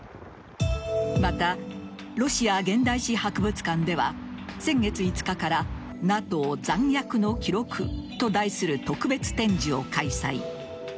また、ロシア現代史博物館では先月５日から「ＮＡＴＯ残虐の記録」と題する特別展示を開催。